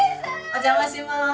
お邪魔します。